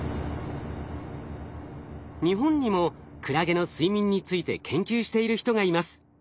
日本にもクラゲの睡眠について研究している人がいます。